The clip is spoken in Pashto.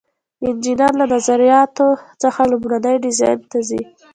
انجینر له نظریاتو څخه لومړني ډیزاین ته ځي.